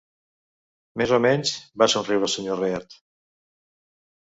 Més o menys —va somriure el senyor Read—.